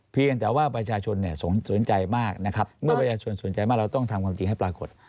เพียงแต่ว่าประชาชนสนใจมากนะครับเมื่อประชาชนสนใจมากเราต้องทำความจริงให้ปรากฏ